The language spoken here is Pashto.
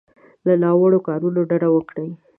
له ناوړو کارونو ډډه وکړي.